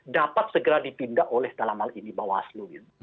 dapat segera dipindah oleh dalam hal ini bawaslu